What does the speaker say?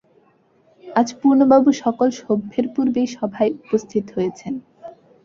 আজ পূর্ণবাবু সকল সভ্যের পূর্বেই সভায় উপস্থিত হয়েছেন।